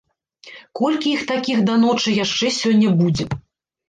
Колькі іх такіх да ночы яшчэ сёння будзе!